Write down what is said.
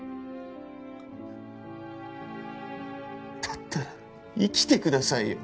だったら生きてくださいよ。